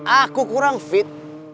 aku kurang fit